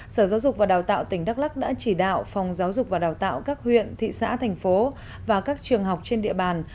sở giáo dục và đào tạo tỉnh đắk lắc đã chỉ đạo phòng giáo dục và đào tạo các huyện thị xã thành phố và các trường học trên địa bàn